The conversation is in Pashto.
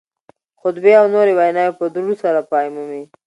خطبې او نورې ویناوې په درود سره پای مومي